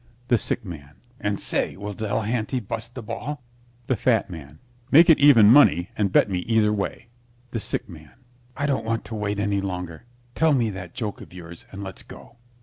THE SICK MAN And, say, will Delehanty bust that ball? THE FAT MAN Make it even money and bet me either way. THE SICK MAN I don't want to wait any longer. Tell me that joke of yours and let's go.